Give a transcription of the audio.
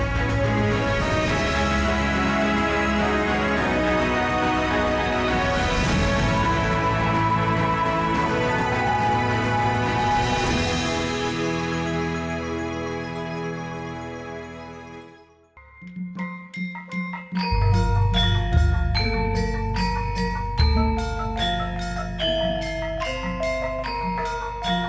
kisah kisah yang terakhir